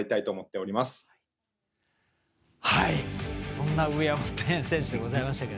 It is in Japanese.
そんな上山選手でございますが。